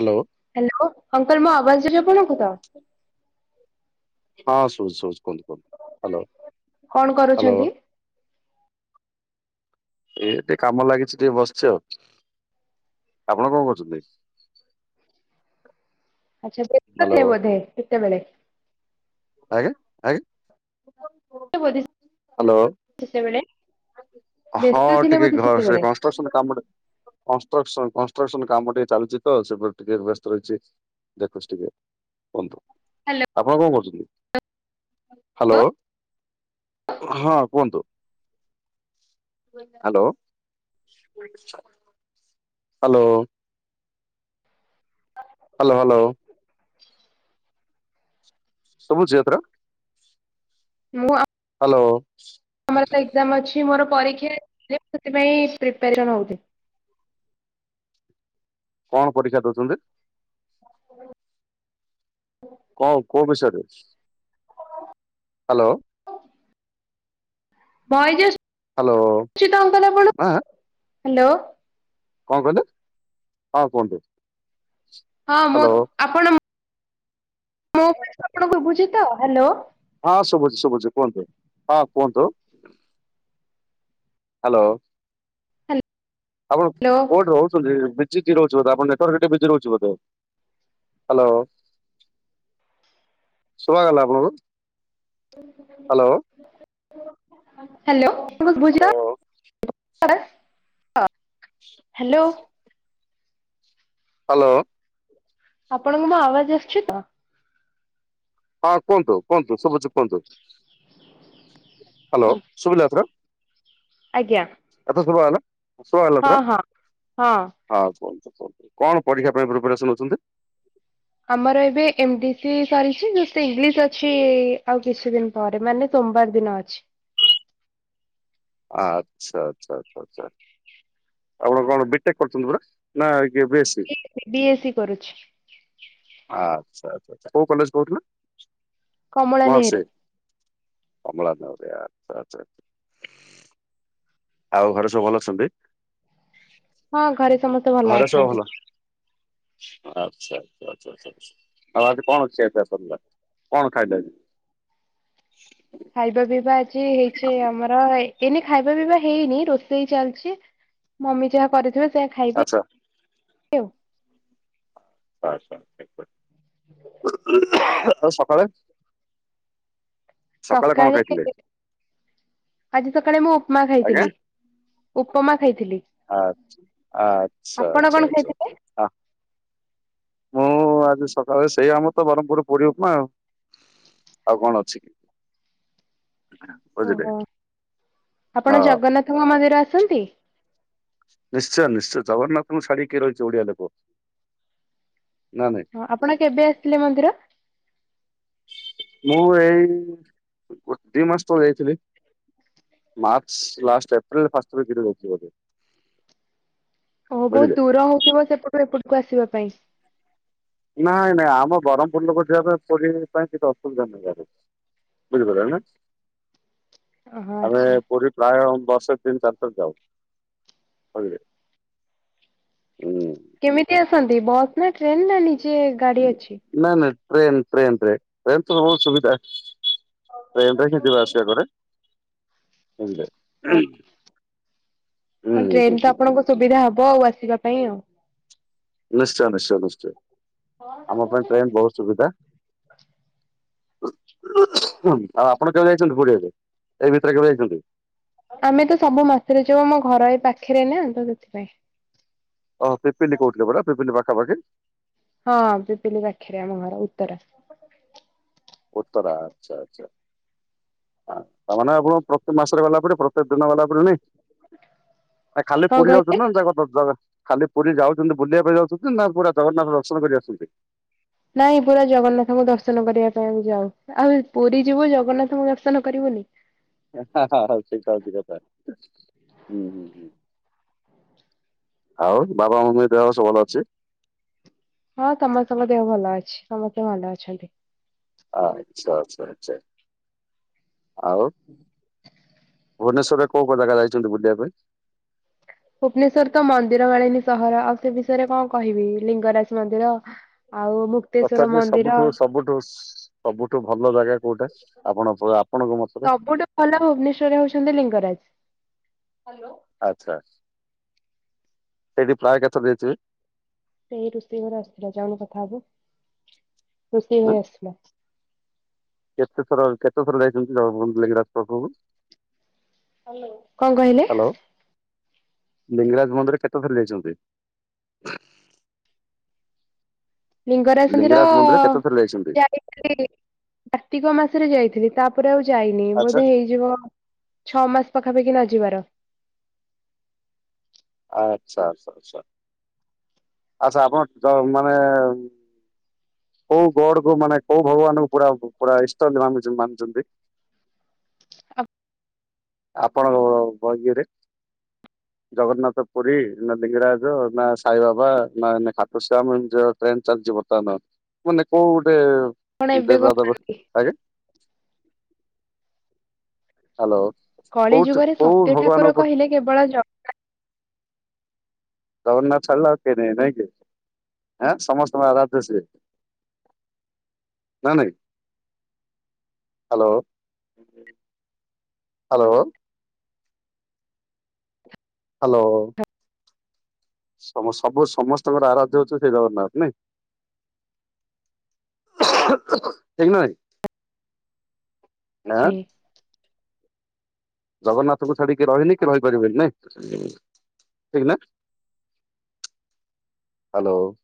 Hello. Hello uncle ମୋ ଆବାଜ୍ ଯାଚି ଆପଣଙ୍କୁ ତ? ହଁ ସୁବୁଚି ସୁବୁଚି କୁହନ୍ତୁ କୁନ୍ତୁ ହ୍ୟାଲୋ। କଣ ହ୍ୟାଲୋ କରୁଛନ୍ତି? ଏ ଟିକେ କାମ ଲାଗିଛି ଟିକେ ବସିଛି ଆଉ ଆପଣ କଣ କହୁଛନ୍ତି? ଆଚ୍ଛା ହ୍ୟାଲୋ ବ୍ରେ ବୋଧେ କେତେବେଳେ ଆଜ୍ଞା ଆଁ ହାଲୋ। ଯେତେବେଳେ ହଁ ଟିକେ ଘ ସେ କଷ୍ଟ୍ରକ୍ସନ କାମରେ କଷ୍ଟ୍ରକ୍ସନ୍ କନଷ୍ଟ୍ରକ୍ସନ୍ କାମ ଟିକେ ଚାଲିଚି ତ ସେପଟେ ଟିକେ ବ୍ୟସ୍ତ ଅଛି। ଦେଖୁଛି ଟିକେ କୁହନ୍ତୁ ହ୍ୟାଲୋ ଆପଣ କଣ କହୁଛ ହାଲୋ। ହଁ କୁହନ୍ତୁ। Hello hello. Hello hello. ସବୁଚି ଏଥର? ମୁଁ ଆ ହାଲୋ। ଆମର ତ ଏକ୍ଜାାମ ଅଛି ମୋର ପରୀକ୍ଷା ମୁଁ ସେଥିପାଇଁ ପ୍ରିପାରେସନ୍ ହେଉଥି କଣ ପରୀକ୍ଷା ଦଉଚନ୍ତି? କଁ କୋଉ ବିଷୟରେ ହାଲୋ? ବଏଜେସ୍ ହ୍ୟାଲୋ ଛିତ ଅଙ୍କଲ୍ ଆପଣ ହାଲୋ। କଁ କହିଲେ ହଁ କୁହନ୍ତୁ। ହଁ ମୋ ହ୍ୟାଲୋ ଆପଣ ମୋ ଭଏସ୍ ଆପଣ ସୁଭୁଚି ତ ହାଲୋ? ହଁ ଶୁଭୁଛି ଶୁଭୁଛି କୁହନ୍ତୁ ହଁ କୁହନ୍ତୁ। ହାଲୋ ଆପଣ ହ୍ୟାଲୋ କୋଉଠି ରହୁଛନ୍ତି? ବିଜି ରହୁଚି ବୋଧେ ଆପଣ ନେଟ୍ୱାର୍କ ହେଟି ଡିଜି ରହୁଚି ବୋଧେ? ସୁୁଭାଗଲା ଆପଣଙ୍କୁ। ହ୍ୟାଲୋ। ହାଲୋ ବୁଜା ଆ ହ ହାଲୋ। ହାଲୋ। ଆପଣଙ୍କୁ ମୋ ଆୱାଜ୍ ଆସୁଚି ତ? ହଁ କୁହନ୍ତୁ କୁହନ୍ତୁ ଶୁଭୁଛି କୁହନ୍ତୁ ହ୍ୟାଲୋ ହଁ, ଶଭିଲା ଏଥର ଆଜ୍ଞା। ଏଥ ଶୁଭାଗଲା ଶୁଭାଗଲା ହଁ ଏଥର? ହଁ ହଁ କୁହନ୍ତୁ କୁହନ୍ତୁ କଣ ପରୀକ୍ଷା ପାଇଁ ପ୍ରିପାରେସନ୍ ହୋଉଚନ୍ତି? ଆମର ଏବେ ଏମଡି ସି ସରିଛି ଯୋଉଥିରେ ଇଂଲିଶ ଅଛି ଆଉ କିଛି ଦିନ ପରେ ମାନେ ସୋମବାର ଦିନ ଅଛି। ଆଚ୍ଛା ଆଚ୍ଛା ଆଛା ଆଛା ଆପଣ କଣ ବିଟେକ କରୁଛନ୍ତି ପରା ନା ଗେବେଶ୍ ବିଏସି କରୁଚି। ଆଚ୍ଛା ଆଛା କୋଉ କଲେଜ କହୁଥିଲ କମଳା ହଁ ନେହେରୁ ସେ କମଳା ନ [unintelligible] ଆଛା ଆଛା [inaudible] ଆଉ ଘରେ ସବୁ ଭଲ ଅଛନ୍ତି? ହଁ ଘରେ ସମସ୍ତେ ଭଲ ଘରେ ସବୁ ଅଛନ୍ତି। ଭଲ ଆଛା ଆଛାଛଛା ଆଉ ଆଜି କଣ ଖିଆ ପିଆ ସରିଲା କଣ ଖାଇଲେ ଆଜି? ଖାଇବା ପିଇବା ଆଜି ହେଇଛି ଆମର ଏ ଏନେ ଖାଇବା ପିଇ ହେଇନି ରୋଷେଇ ଚାଲିଛି ମମି ଯାହା କରିଥିବ ସେୟା ଖାଇବି ଆଚ୍ଛା [unintelligible] ଆ ଆଛା ଆଉ ସକାଳେ ସକାଳେ କଣ ଖାଇଥିଲେ? ଆଜି ସକାଳେ ମୁଁ ଉପମା ଆଜ୍ଞା? ଖାଇଥିଲି। ଉପମା ଖାଇଥିଲି ଆ ଆଚ୍ଛା ଆପଣ ଆଚ୍ଛା କଣ ଆଚ୍ଛା ଖାଇଥିଲେ? ଆଚ୍ଛା ଆ, ମୁଁ ଆଜି ସକାଳେ ସେଇ ଆମ ତ ବ୍ରହ୍ମପୁର ପୁରୀ ଉପମା ଆଉ ଆଉ କଣ ଅଛି କି ବୁଝିଲେ ଓହୋ ଆପଣ ହଁ ଜଗନ୍ନାଥଙ୍କ ମନ୍ଦିର ଆସନ୍ତି? ନିଶ୍ଚୟ ନିଶ୍ଚୟ ଜଗନ୍ନାଥଙ୍କୁ ଛାଡ଼ିକି କିଏ ରହିଛି ଓଡିଆ ଲୋକ ନା ନାଇଁ ହ ଆପଣ କେବେ ଆସଥିଲେ ମନ୍ଦିର? ମୁଁ ଏଇ ଦି ମାସ ତଳେ ଯାଇଥିଲି। ମାର୍ଚ୍ଚ ଲାଷ୍ଟ ଏପ୍ରିଲ ଫାଷ୍ଟ [unintelligible] ଯାଇଥିଲି ବୋଧେ ଓ ବୁଝିଲେ ବହୁତ ଦୂର ହଉଥିବ ସେପଟୁ ଏପଟକୁ ଆସିବା ପାଇଁ ନାଇଁ ନାଇଁ ଆମ ବ୍ରହ୍ମପୁର ଲୋକ ଯିବାପାଇଁ ପୁରୀ ପାଇଁ କିଛି ଅସୁବିଧା ନାଇ [unintelligible] ବୁଝିପାରିଲେ ନା ଓହୋ ଆମେ ଆଚ୍ଛା ପୁରୀ ପ୍ରାୟ ବର୍ଷରେ ତିନ ଚାରି ଥର ଯାଉ ବୁଝିଲେ ହୁଁ କେମିତି ଆସନ୍ତି ବସ୍ ରେ ଟ୍ରେନ ରେ ନିଜେ ଗାଡି ଅଛି ନା ନା ଟ୍ରେନ ଟ୍ରେନ ଟ୍ରେନ ରେ ଟ୍ରେନ ତ ବହୁତ ସୁବିଧା। [unintelligible] ଟା ଏଠି ଯିବା ଆସିବା କରେ ହୁଁ ହଁ ଟ୍ରେନ ହୁଁ ତ ହୁଁ ଆପଣଙ୍କ ସୁବିଧା ହବ ଆଉ ଆସିବା ପାଇଁ ଆଉ ନିଶ୍ଚୟ ନିଶ୍ଚୟ ନିଶ୍ଚୟ ଆମ ପାଇଁ ଟ୍ରେନ ବହୁତ ସୁବିଧା ଆଉ ଆପଣ କେବେ ଯାଇଛନ୍ତି ପୁରୀଆଡେ ଏଇ ଭିତରେ କେବେ ଯାଇଛନ୍ତି? ଆମେ ତ ସବୁ ମାସରେ ଯାଉ ଆମ ଘର ଏଇ ପାଖରେ ନା ତ ସେଥିପାଇଁ। ଓହ ପିପିଲି କହୁଥିଲେ ପରା ପିପିଲି ପାଖାପାଖି ହଁ ପିଲିଲି ପାଖରେ ଆମ ଘର ଉତ୍ତରା। ଉତ୍ତରା ଆଚ୍ଛା ଆଚ୍ଛା ତାମାନେ ଆପଣ ପ୍ରତି ମାସରେ ଗଲା ପରେ ପ୍ରତ୍ୟେକ ଦିନ ଗଲା ପରେ ନାଇଁ ଆ ଖାଲି କଣ ପୁରି ଯାଉ କହିଲେ? [unintelligible] ଖାଲି ପୁରୀ ଯାଉଛନ୍ତି ବୁଲିବା ପାଇଁ ଯାଉଛନ୍ତି ନା ପୁରା ଜଗନ୍ନାଥ ଦର୍ଶନ କରି ଆସଛନ୍ତି ନାଇଁ ପୁରା ଜଗନ୍ନାଥଙ୍କୁ ଦର୍ଶନ କରିବା ପାଇଁ ଆମେ ଯାଉ। ଆଉ ଏ ପୁରୀ ଯିବୁ ଜଗନ୍ନାଥଙ୍କୁ ଦର୍ଶନ କରିବୁନି ହ ହଉ ସେଇଟା ହୋଉଚି କଥା ହୁଁ ହୁଁ ହୁଁ ଆଉ ବାବା ମମିଙ୍କ ଦେହ ସବୁ ଭଲ ଅଛି ହଁ ସମସ୍ତଙ୍କ ଦେହ ଭଲ ଅଛି ସମସ୍ତେ ଭଲ ଅଛନ୍ତି। ଆ ଆଛା ଆଛା ଆଛା ଆଉ ଭୁବନେଶ୍ୱର୍ ରେ କଉ କଉ ଜାଗା ଯାଇଚନ୍ତି ବୁଲିବା ପାଇଁ? ଭୁବ୍ନେଶର୍ ତ ମନ୍ଦିର ମାଳିନୀ ସହର ଆଉ ସେ ବିଷୟରେ କଣ କହିବି। ଲିଙ୍ଗରାଜ୍‌ ମନ୍ଦିର ଆଉ ମୁକ୍ତେଶ୍ଵର ତଥାବି ମନ୍ଦିର ସବୁଠୁ ସବୁଠୁ ସବୁଠୁ ଭଲ ଜାଗା କଉଟା? ଆ ସବୁଟୁ ଭଲ ଭୁବ୍ନେଶ୍ଵରରେ ହଉଛନ୍ତି ଲିଙ୍ଗରାଜ୍‌। [inaudible] ସେଇ ରୁଷେଇ ଘରେ ଆ---ଲା ଯାଉନୁ କଥା ହବୁ, ରୋଷେଇ ଆଁ ଘରେ ଆ--ଥୁଲା। [inaudible] କ'ଣ କହିଲେ? ଲିଙ୍ଗରାଜ୍‌ ମନ୍ଦିର କେତେ ଯାଇଚନ୍ତି? ଲିଙ୍ଗରା ଲିଙ୍ଗରାଜ ମନ୍ଦିର କେତେ ଥର ଯାଇଛନ୍ତି? କାର୍ତ୍ତିକ ମାସରେ ଯାଇଥିଲି। ତା'ପରେ ଆଉ ଯାଇନି ଆଚ୍ଛା ବୋଧେ ହେଇଯିବ ଛଅ ମାସ୍‌ ପାଖାପାଖି ନ ଯିବାର। [inaudible] ଆଚ୍ଛା, ଆପଣ ମାନେ କଉ ଗଡ୍‌କୁ ମାନେ କଉ ଭଗବାନ କୁ ପୁରା ଇଷ୍ଟ ବୋଲି ମାନି--ନ୍ତି। ହ ଆପଣ ବଗିରେ ଜଗନ୍ନାଥ ପୁରୀ, ନା ଲିଙ୍ଗିରାଜ ନା, ସାଇବାବା ନା [inaudible] କଣ ଏବେ କଳି ଯୁଗରେ ସତ୍ୟ ଠାକୁର [inaudible] କହିଲେ କେବଳ ଜ [inaudible] [inaudible] ହୁଁ [inaudible] ହାଲୋ ସବୁ ସମସ୍ତଙ୍କର ଆରାଧ୍ୟ ହଉଚନ୍ତି ଜଗନ୍ନାଥ୍ ନାଇଁ। ଜଗନ୍ନାଥ ହିଁ। [inaudible] ଜଗନ୍ନାଥଙ୍କୁ ଛାଡ଼ିକି କି ରହି--କି ରହିପାରି--ନି ନାଇଁ। ଠିକ୍ ନା [inaudible]